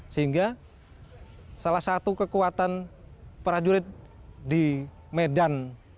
sehingga salah satu kekuatan para jurid di medan